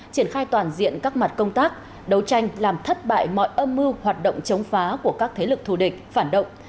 triển khai toàn diện các mặt công tác đấu tranh làm thất bại mọi âm mưu hoạt động chống phá của các thế lực thù địch phản động